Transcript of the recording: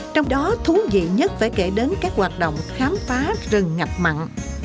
trong đó thú vị nhất phải kể đến các hoạt động khám phá rừng ngập mặn